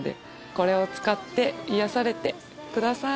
これを使って癒やされてください。